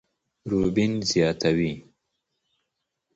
روبين زياتوي،